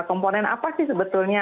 komponen apa sih sebetulnya